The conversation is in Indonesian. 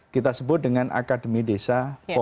kita sebut dengan akademi desa empat